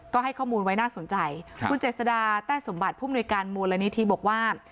ก็ให้ข้อมูลไว้น่าสนใจคุณเจษดาแต้สมบัติผู้มนุยการมูลนิธิบอกว่า